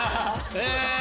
え！